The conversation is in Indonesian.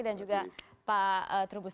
dan juga pak terubus